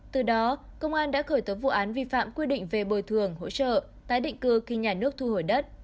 từ đó công an đã khởi tố vụ án vi phạm quy định về bồi thường hỗ trợ tái định cư khi nhà nước thu hồi đất